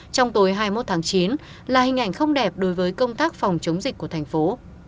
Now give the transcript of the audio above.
trong tối hai mươi một tháng chín là hình ảnh không đẹp đối với công tác phòng chống dịch của thành phố